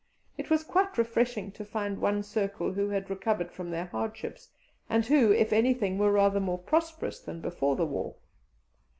It was quite refreshing to find one circle who had recovered from their hardships, and who, if anything, were rather more prosperous than before the war.